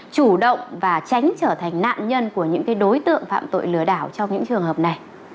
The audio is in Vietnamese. chủ động và tránh trở thành nạn nhân của những đối tượng phạm tội lừa đảo trong những trường hợp này